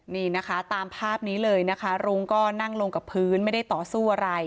นี่นะคะตามภาพนี้เลยนะคะรุ้งก็นั่งลงกับพื้นไม่ได้ต่อสู้อะไร